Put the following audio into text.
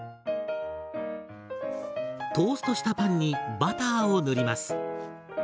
トーストしたパンにバターを塗ります。